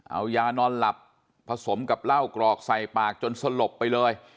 เอายานอนหลับผสมกับเหล้ากรอกใส่ปากจนสลบไปเลย